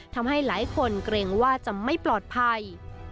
ทำให้หลายคนเกรงว่าจะไม่ปลอดภัย